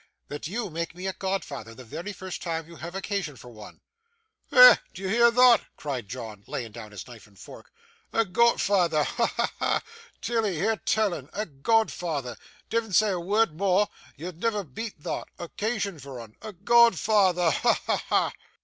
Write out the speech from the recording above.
'That you make me a godfather the very first time you have occasion for one.' 'Eh! d'ye hear thot?' cried John, laying down his knife and fork. 'A godfeyther! Ha! ha! ha! Tilly hear till 'un a godfeyther! Divn't say a word more, ye'll never beat thot. Occasion for 'un a godfeyther! Ha! ha! ha!